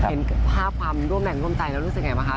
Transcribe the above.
เห็นภาพความร่วมแรงร่วมใจแล้วรู้สึกไงบ้างคะ